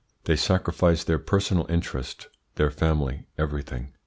They sacrifice their personal interest, their family everything.